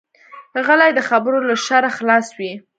غلی، د خبرو له شره خلاص وي.